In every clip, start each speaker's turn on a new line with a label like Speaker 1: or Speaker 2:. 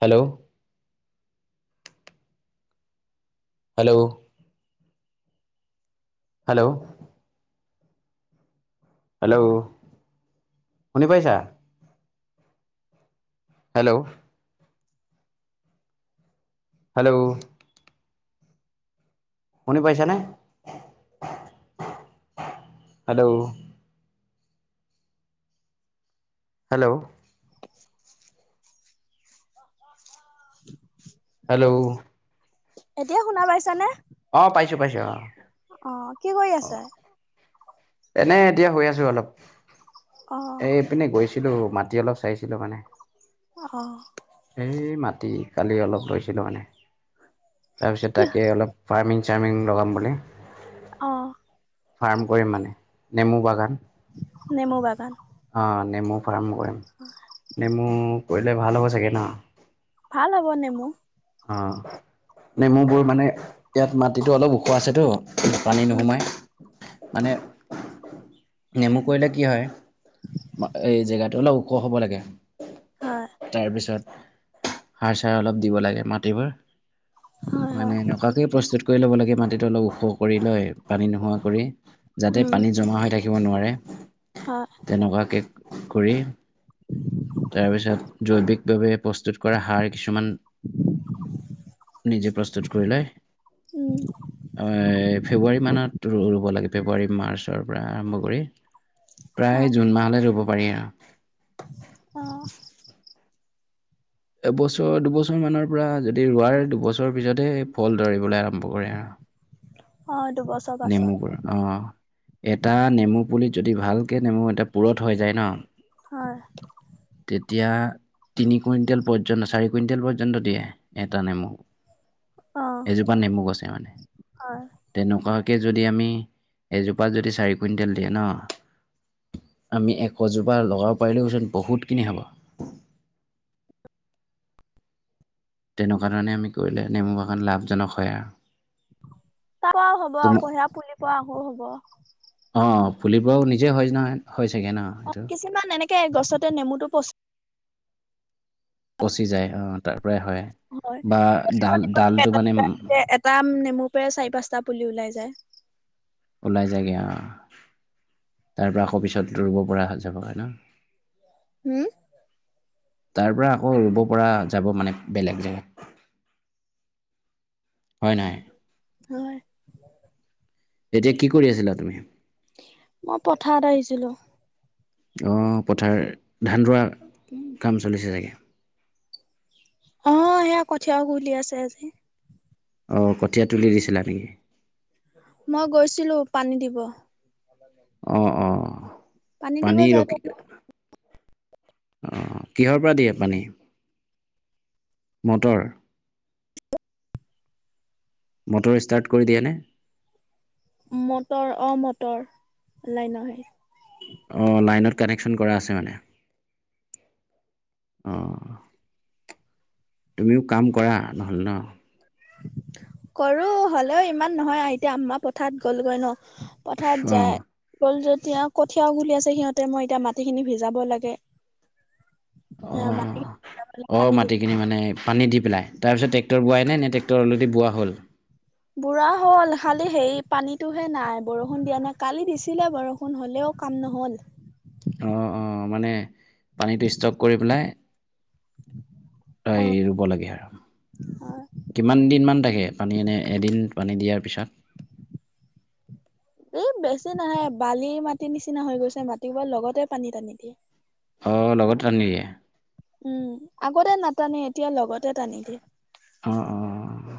Speaker 1: Hello hello hello hello শুনি পাইছা hello hello শুনি পাইচা নে হেল্ল' হেল্ল'
Speaker 2: [inaudible]
Speaker 1: হেল্ল'
Speaker 2: এতিয়া শুনা পাইছ নে
Speaker 1: অ পাইছো পাইছো আহ
Speaker 2: অ কি কৰি আছা
Speaker 1: এনে এতিয়া শুই আছো অলপ
Speaker 2: অ',
Speaker 1: এইপিনে গৈছো ছিলো মাটি অলপ চাইছিলো মানে
Speaker 2: অ',
Speaker 1: এই মাটি কালি অলপ লৈছিলোঁ মানে তাৰপিছত
Speaker 2: কি
Speaker 1: তাকে অলপ ফাৰ্মিং চাৰ্মিং লগাম বুলি
Speaker 2: অ
Speaker 1: ফাৰ্ম কৰিম মানে নেমু বাগান
Speaker 2: নেমু বাগান
Speaker 1: অ নেমু ফাৰ্ম কৰিম নেমু কৰিলে ভাল হ'ব চাগে ন
Speaker 2: ভাল হব নেমু
Speaker 1: অ নেমুবোৰ মানে ইয়াত মাটিতটো অলপ ওখ আছেতো দোকানেই
Speaker 2: উম,
Speaker 1: নোহোমায় মানে নেমু কৰিলে কি হয় এই জেগাটো অলপ ওখ হ'ব লাগে
Speaker 2: হয়,
Speaker 1: তাৰপিছত সাৰ চাৰ অলপ দিব লাগে মাটিবোৰ
Speaker 2: হয়, হয়,
Speaker 1: মানে এনেকুৱাকে প্ৰস্তুত কৰি ল'ব লাগে মাটিটো অলপ ওখ কৰি লৈ পানী নোহোৱা কৰি যাতে
Speaker 2: উম,
Speaker 1: পানী জমা হৈ থাকিব নোৱাৰে
Speaker 2: হয়,
Speaker 1: তেনেকুৱাকৈ কৰি তাৰপিছত জৈৱিকভাৱে প্ৰস্তুত কৰা সাৰ কিছুমান নিজে প্ৰস্তুত কৰি লৈ
Speaker 2: উম,
Speaker 1: অ ফেব্ৰুৱাৰী মানত ৰুব লাগে ফেব্ৰুৱাৰী মাৰ্চৰ পৰা আৰম্ভ কৰি প্ৰায় জুন মাহলৈ ৰুব পাৰি আৰু
Speaker 2: আহ
Speaker 1: এবছৰ দুবছৰ মানৰ পৰা যদি ৰোৱা দুবছৰৰ পিছতহে ফল ধৰিবলৈ আৰম্ভ কৰে আৰু
Speaker 2: অ দুবছৰ
Speaker 1: নেমু
Speaker 2: পাছত
Speaker 1: গছ অ এটা নেমু পুলিত যদি ভালকৈ নেমু এটা পূুৰঠ হৈ যায় ন
Speaker 2: অ
Speaker 1: তেতিয়া তিনি কুইণ্টেল পৰ্যন্ত চাৰি কুইণ্টেল পৰ্যন্ত দিয়ে এটা নেমু
Speaker 2: অ',
Speaker 1: এজোপা নেমু গছে মানে
Speaker 2: হয়।
Speaker 1: তেনেকুৱা ত যদি আমি এজোপা যদি চাৰি কুইণ্টেল দিয়ে ন আমি এশজোপা লগাব পাৰিলোওচোন বহুতখিনি হব [inaudible] তেনেকুৱা ধৰণে আমি কৰিলে নেমু বাগখন লাভজনক হয় আৰু
Speaker 2: তাৰ পৰাও হ'ব
Speaker 1: তোমাৰ
Speaker 2: আকৌ সেৰা পুলিৰ পৰা আকৌ হ'ব [unintelligible]
Speaker 1: ফুলিবও নিজেই হয় নহয় হয় চাগে ন
Speaker 2: অ
Speaker 1: এইটো
Speaker 2: কিছুমান এনেকে গছতে নেমুটো পচি
Speaker 1: পচি যায় অহ তাৰ পৰাই হয়
Speaker 2: হয়।
Speaker 1: বা ডাল ডালটো মানে
Speaker 2: সেই টোৰ পৰা চাৰি পাঁচটা পুলি ওলাই যায়
Speaker 1: ওলাই জায়গে অহঁ তাৰ পৰা আকৌ পিছত দৌৰিব পৰা অহা যায় কৰে ন
Speaker 2: হম
Speaker 1: তাৰ পৰা আকৌ ৰুব পৰা যাব মানে বেলেগ জেগাত হয় নাই।
Speaker 2: হয়।
Speaker 1: এতিয়া কি কৰি আছিলা তুমি
Speaker 2: মই পথাৰত আহিছিলোঁ
Speaker 1: অঁ পথাৰ ধান ৰোৱা কাম চলিছে চাগে
Speaker 2: অ সেয়া কঠীয়া ওঘুলি আছো আজি।
Speaker 1: অ কঠীয়া তুলি দিছিলা তুমি
Speaker 2: মই গৈছিলো পানী দিব
Speaker 1: অ অ
Speaker 2: দিব
Speaker 1: পানী
Speaker 2: যাওঁতে
Speaker 1: ৰখি
Speaker 2: অলপ
Speaker 1: অহ কিহৰ পৰা দিয়ে পানী মটৰ মটৰ ষ্টাৰ্ট কৰি দিয়ে নে
Speaker 2: মটৰ অহ মটৰ লাইন আহে-
Speaker 1: অঁ লাইনত কানেকচন কৰা আছে মানে অ তুমিও কাম কৰা নহ'লে নহঁ
Speaker 2: কৰো হ'লেও ইমান নহয় এতিয়া আমাৰ মা পথাৰত গ'লগৈ নহঁ পথাৰত
Speaker 1: অ
Speaker 2: যাই গ'ল যত এতিয়া কঠিয়া ওঘুলি আছে সিহঁতে মই এতিয়া মাটিখিনি ভিজাব লাগে।
Speaker 1: অ
Speaker 2: মাটিখিনি ভিজাব লাগে,
Speaker 1: অ
Speaker 2: পানী দিব
Speaker 1: মাটিখিনি মানে পানী দি পেলাই তাৰপিছত টেক্টৰ বোৱাই নে, নে টেক্টৰ অলৰেডি বোৱা' হল
Speaker 2: বুঢ়া হ'ল খালি হেই পানীতোহে নাই বৰষুণ দিয়া নাই কালি দিছিলে বৰষুণ হলেও কাম নহ'ল
Speaker 1: অ অ মানে পানীটো ষ্টক কৰি পেলাই অ ৰুব লাগে আৰু
Speaker 2: হয়,
Speaker 1: কিমান দিন মান থাকে পানী এনে এদিন পানী দিয়াৰ পিছত
Speaker 2: এই বেছি নাহে বালিৰ মাটি নিচিনা হৈ গৈছে মাটিবোৰ লগতে পানী টানি দিয়ে
Speaker 1: অ লগতে টানি দিয়ে
Speaker 2: উম আগতে নাটানে এতিয়া লগতে টানি দিয়ে
Speaker 1: অ', অ',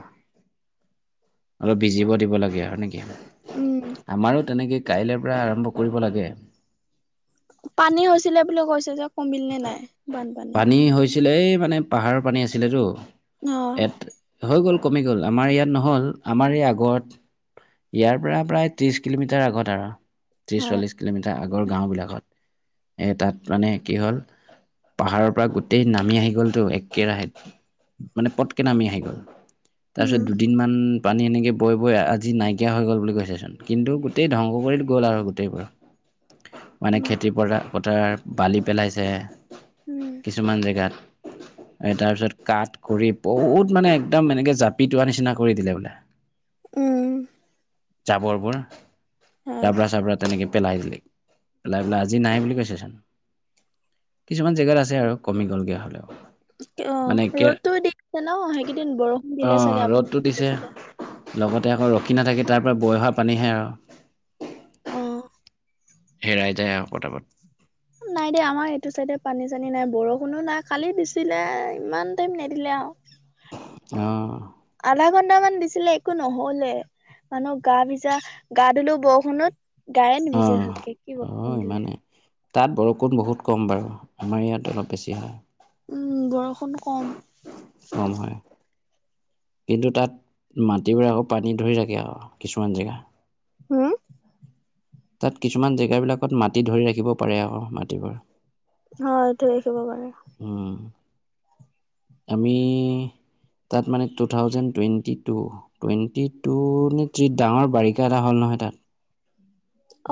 Speaker 1: অলপ ভিজিব দিব লাগে আৰু নেকি
Speaker 2: উম
Speaker 1: আমাৰো তেনেকে কাইলৈ পৰা আৰম্ভ কৰিব লাগে
Speaker 2: পানী হৈছিলে বুলি কৈছে যে কমিল নে নাই বানপানী
Speaker 1: পানী হৈছিলে, এহ মানে পাহাৰৰ পানী আছিলেটো
Speaker 2: অ
Speaker 1: ইয়াত হৈ গল কমি গ'ল আমাৰ ইয়াত নহ'ল আমাৰ এই আগত ইয়াৰ পৰা প্ৰায় ত্ৰিশ কিলোমিটাৰ আগত আৰু ত্ৰিশ
Speaker 2: হয়
Speaker 1: চল্লিশ কিলোমিটাৰ আগৰ গাঁওবিলাকত এ তাত মানে কি হ'ল পাহাৰৰ পৰা গোটেই নামি আহি গ'লটো একেৰাহে মানে পটকে নামি আহি গ'ল তাৰপিছত
Speaker 2: উম
Speaker 1: দুদিনমান পানী এনেকে বৈ বৈ আজি নাইকিয়া হৈ গ'ল বুলি কৈছে চোন কিন্তু গোটেই ধ্বংস কৰি গ'ল আৰু গোটেইবোৰ মানে
Speaker 2: উম
Speaker 1: খেতি পৰা পথাৰ বালি পেলাইছে কিছুমান জেগাত উ [unintelligible] তাৰ পিছত কাঠ কৰি বহুত মানে একদম এনেকে জাপি তোৱা নিচিনা কৰি দিলে বোলে।
Speaker 2: উম।
Speaker 1: জাবৰবোৰ
Speaker 2: হয়
Speaker 1: জাবৰা চাবৰাা তেনেকে- পেলাই দিলেক। পেলাই পেলাই আজি নাই বুলি কৈছে চোন- জেগাত আছে আৰু কমি গ'লগে হ'লেও।
Speaker 2: অঁ
Speaker 1: মানে একে
Speaker 2: ৰ'দতো দিছে ন সেইকেইদিন বৰষুণ
Speaker 1: অ
Speaker 2: দিলে চাগে আপোনাৰ
Speaker 1: ৰ'দটো
Speaker 2: সেইটো
Speaker 1: দিছে
Speaker 2: চাইতে।
Speaker 1: লগতে আকৌ ৰখি নাথাকি তাৰ পৰা বৈ অহা পানীহে আৰু।
Speaker 2: অঁ।
Speaker 1: হেৰাই যায় আও পতাপত।
Speaker 2: নাই দেই আমাৰ এইটো চাইডে পানী চানী নাই বৰষুণো নাই কালি দিছিলে ইমান টাইম নিদিলে আৰু।
Speaker 1: অ
Speaker 2: আধা ঘন্টা মান দিছি- ছিলে একো নহলে। মানুহ গা ভিজা গা ধুলো বৰষুণত। গায়ে
Speaker 1: অ
Speaker 2: নিবিজল ভালকে কি
Speaker 1: অ
Speaker 2: বৰষূণ দিলে।
Speaker 1: ইমানে তাত বৰষুণ বহুত কম বাৰু আমাৰ ইয়াত অলপ বেছি হয়।
Speaker 2: উম বৰষুণ কম।
Speaker 1: কম হয় কিন্তু তাত মাটিবোৰে আকৌ পানী ধৰি থাকে আৰু কিছুমান জেগা।
Speaker 2: হুম?
Speaker 1: তাত কিছুমান জেগাবিলাকত মাটি ধৰি ৰাখিব পাৰে আক মাটিবোৰ।
Speaker 2: অঁ ধৰি ৰাখিব পাৰে।
Speaker 1: উম আমি- তাত মানে two thousand twenty two twenty two নে ডাঙৰ বাৰিষা এটা হ'ল নহ- নহয় তাত।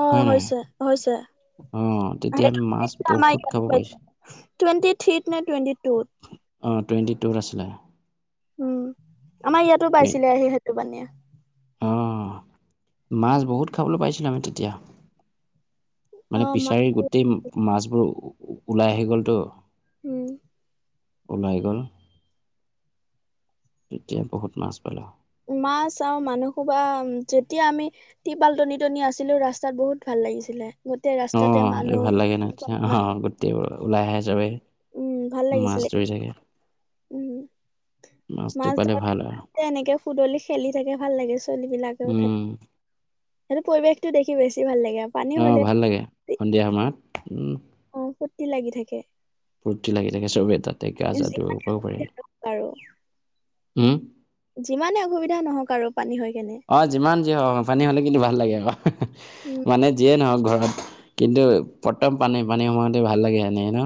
Speaker 2: অ
Speaker 1: হয় নহয়
Speaker 2: হৈছে হৈছে।
Speaker 1: অ', তেতিয়া আমি মাছ বহুত খাব পাইছোঁ।
Speaker 2: [unintelligible] টুৱেন্টি থিত নে টুৱেন্টি টোত।
Speaker 1: অঁ টুৱেণ্টি টুৰ আছিলে।
Speaker 2: উম আমাৰ ইয়াতো পাইছিলে আহি সেইটো পানীয়ে।
Speaker 1: অঁ মাছ বহুত খাবলৈ পাইছিলো আমি তেতিয়া।
Speaker 2: অ
Speaker 1: মানে
Speaker 2: মা
Speaker 1: পিছাৰি গোটেই মাছবোৰ ওলাই আহি গ'লতো।
Speaker 2: উম।
Speaker 1: ওলাই গল তেতিয়া বহুত মাছ পালোঁ।
Speaker 2: মা চাও মানুহসোপা যেতিয়া আমি তিপাল টনি টনি আছিলো ৰাস্তাত বহুত ভাল- লাগিছিলে গোটেই ৰাস্তা-
Speaker 1: অঁ সইটো ভাল লাগে ন অ গোটেইবোৰ ওলাই আহে চবেই।
Speaker 2: উম ভাল
Speaker 1: মাছ
Speaker 2: লাগিছিলে
Speaker 1: ধৰি থাকে।
Speaker 2: উম
Speaker 1: মাছটো
Speaker 2: মাছ
Speaker 1: পালে ভাল আৰু।
Speaker 2: ধৰা এনেকে- [unintelligible] খেলি থাকে ভাল লাগে ছোৱালী বিলাকেও থাকে।
Speaker 1: উম,
Speaker 2: সেইটো পৰিৱেশটো দেখি বেছি ভাল লাগে আৰু। পানী
Speaker 1: অহ
Speaker 2: হলে
Speaker 1: ভাল লাগে সন্ধিয়া সময়ত উম।
Speaker 2: অ ফূৰ্তি লাগি থাকে।
Speaker 1: ফূৰ্তি লাগি থাকে চবেই তাতে গা চা
Speaker 2: যি
Speaker 1: ধুব পৰাও পাৰে।
Speaker 2: আৰু যিমানে অসুবিধা নহওঁক আৰু- পানী হৈ কেনে
Speaker 1: অঁ যিমান যি হওঁক পানী হলে কিন্তু ভাল লাগে আকৌ।
Speaker 2: উম
Speaker 1: মানে যিয়ে নহওক ঘৰ-। কিন্তু প্ৰথম পানী পানী সোমাওঁতে ভাল লাগে এনেই ন।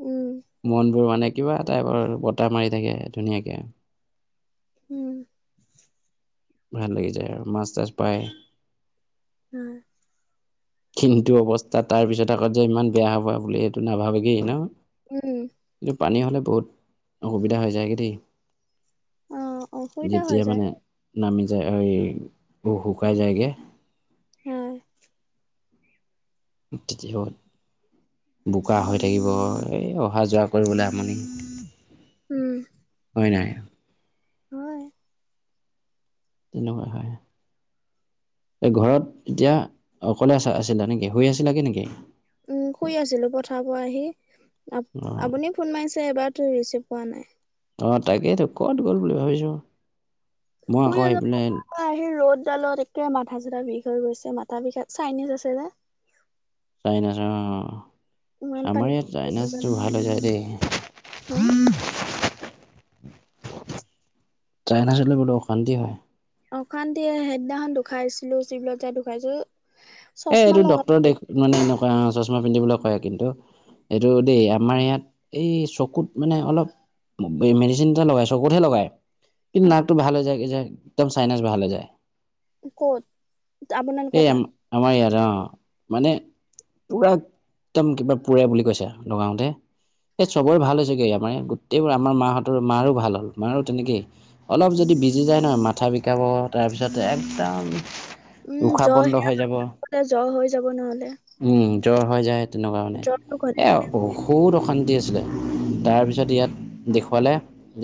Speaker 2: উম।
Speaker 1: মন বোৰ মানে কিবা টাইপৰ বতাহ মাৰি থাকে ধুনীয়াকে।
Speaker 2: উম।
Speaker 1: ভাল লাগি যায় আৰু মাছ তাছ পায়।
Speaker 2: উম।
Speaker 1: কিন্তু অৱস্থা তাৰ পিছত আকৌ যে ইমান বেয়া হবা বুলি সেইটো নাভাবেগেই ন।
Speaker 2: উম।
Speaker 1: কিন্তু পানী হ'লে বহুত অসুবিধা হৈ যায়গৈ দেই।
Speaker 2: অ', অসুবিধা হৈ
Speaker 1: যেতিয়া
Speaker 2: যায়,
Speaker 1: মানে নামি-। যায় হেৰি শুকাই যায়গৈ।
Speaker 2: উম।
Speaker 1: তিথি হ'ব। বোকা হৈ থাকিব এই অহা যোৱা কৰিবলৈ আমনি।
Speaker 2: উম।
Speaker 1: হয় নাই।
Speaker 2: হয়।
Speaker 1: তেনেকুৱা হয়। এ ঘৰত এতিয়া অকলে আ আছিলা নেকি শুই আছিলাগে নেকি।
Speaker 2: উম শুই আছিলো পথাৰ পৰা আহি আ
Speaker 1: অ
Speaker 2: আপুনি ফোন মাৰিছে এবাৰ। ৰিচিভ পোৱা নাই।
Speaker 1: অ তাকেইতো কত গ'ল বুলি ভাবিছো মই আকৌ আহি পাই।
Speaker 2: চোতালত একে মাথা জোৰা বিষ হৈ গৈছে মাথা বিষত চাইনিজ আছে যে।
Speaker 1: চাইনা চে
Speaker 2: ইমান
Speaker 1: অ।
Speaker 2: পানী
Speaker 1: আমাৰ ইয়াত চাইনাছটো ভাল হৈ যায় দেই।
Speaker 2: হা,
Speaker 1: চাইনাছ হলে বোলো অশান্তি হয়।
Speaker 2: অশান্তিয়ে সেইদিনাখন ধুখাইছিলো চিভিলত যাই ধুখাইছো।
Speaker 1: এ এইটো ডক্টৰ মানেনেুৱ চমা পিন্ধিব ল। হয় কিন্তু এইটো দেই আমাৰ ইয়াত এই চকুত মানে অলপ। মেডিচিন এটা লগাই চকুতহে লগাই। কিন্তু নাকটো ভালে যায় যে একদম চাইনচ ভালে যায়।
Speaker 2: ক'ত আপোনালোকৰ তাত।
Speaker 1: ইয়াটে অ মানে পুৰা একদম কিবা পুৰে বুলি কৈছো নগাওতে। সে চবৰে ভাল হৈছেগেমাৰ গোটেইবোৰ আমাৰ মাহঁতৰ মাৰো ভাল হ'ল মাৰো তেনেকেই অলপ যদি। বিজি যায় নহয় মাথা বিকাব তাৰপিছত একদম।
Speaker 2: উম
Speaker 1: উশাহ বন্ধ
Speaker 2: জ্বৰ
Speaker 1: হৈ যাব
Speaker 2: জ্ব হৈ যাব নহলে।
Speaker 1: উম জ্বৰ হৈ যায় তেনেকুৱাণে
Speaker 2: জ্বৰটো ঘলে
Speaker 1: এই ঔষুধ অশান্তি। ছিলে তাৰ পিছত ইয়াত দেখোৱালে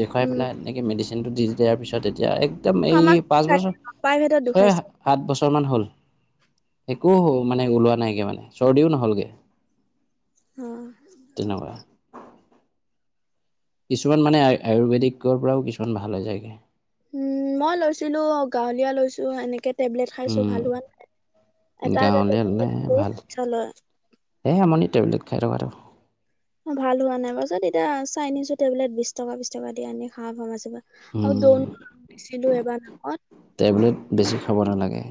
Speaker 1: দেখোৱাই
Speaker 2: উম,
Speaker 1: পেলাই এনেকে মেডিচেন। কিন্তটো দি দিয়াৰ পিছত এতিয়া একদম এই
Speaker 2: ফাৰ্মাচী
Speaker 1: পাঁচ বছৰ
Speaker 2: প্ৰাইভেটত
Speaker 1: ছয়
Speaker 2: দুখাইছে,
Speaker 1: সাত বছৰমান হ'ল। একো মানে ওলোৱা নাইকে মানে চৰ্দিও নহলগে।
Speaker 2: অ'।
Speaker 1: তেনেকুৱা। কিছুমান মানে আয়ুৰ্বেদিক পৰাও কিছুমান ভাল হৈ যায়গে।
Speaker 2: উম মই লৈছিলো গাঁৱলীয়া লৈছো এনেকে টেবলেট খাইছো
Speaker 1: উম
Speaker 2: ভাল হোৱা নাই। এটা এটা
Speaker 1: গাঁৱলীয়া হ'লে
Speaker 2: বহুত
Speaker 1: ভাল
Speaker 2: চালো।
Speaker 1: এই আমনি টেবলেট খাই থকাটো।
Speaker 2: ভাল হোৱা নাই পাৰছততিয়া চাইনিজো টেবলেট বিশ টকা বি টকা দি আনি খা ফাৰ্মাচী পা। আৰু
Speaker 1: উম,
Speaker 2: দৌননিছিলো এবাৰ আগত।
Speaker 1: টেবলেট বেছি খাব নালাগে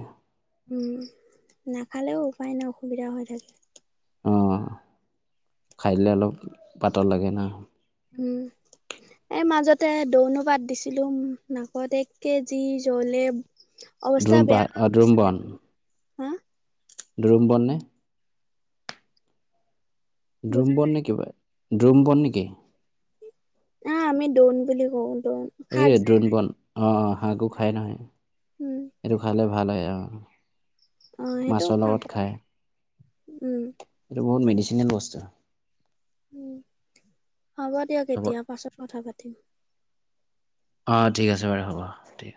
Speaker 2: উম নাখালেও উপায় নাই অসুবিধা হৈ থাকে।
Speaker 1: অঁ খাইদিলে অলপ পাতল লাগে ন।
Speaker 2: এ মাজতে দৌনো পাত দিছিলো নাকত এক কেজি জ্বলে। অৱস্থা
Speaker 1: দ্ৰুম পা
Speaker 2: বেয়াহৈগৈছিলে হা।
Speaker 1: ডৰুম বন নে। ড্ৰোম
Speaker 2: বুজা
Speaker 1: বন নে কিব ড্ৰোম বন নেকি। [unintelligible]
Speaker 2: অ আমি দোন বুলি কওঁ দোন
Speaker 1: এই
Speaker 2: শাক যে
Speaker 1: দ্ৰুম
Speaker 2: খাই।
Speaker 1: বন অঁ অঁ শাকো খায় নহয় এইটো খালে ভাল হয় আও।
Speaker 2: অ' সেইটো
Speaker 1: মাছৰ
Speaker 2: খাব
Speaker 1: লগত খাই
Speaker 2: উম,
Speaker 1: এইটো বহুত মেডিচিনেল বস্তু।
Speaker 2: উম হ'ব দিয়ক
Speaker 1: হ'ব
Speaker 2: এতিয়া পাছত কথা পাতিম।
Speaker 1: অ ঠিক আছে বাৰু হ'ব ঠিক।